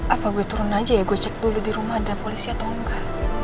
apa gue turun aja ya gue cek dulu di rumah ada polisi atau enggak